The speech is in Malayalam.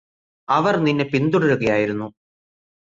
അവർ നിന്നെ പിന്തുടരുകയായിരുന്നു